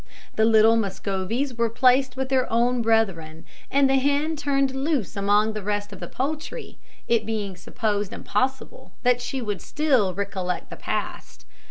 The little Muscovies were placed with their own brethren, and the hen turned loose among the rest of the poultry, it being supposed impossible that she would still recollect the past.